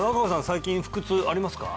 最近腹痛ありますか？